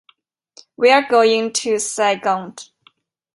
We are going to Sagunt.